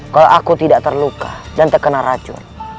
kalau aku tidak terluka dan terkena racun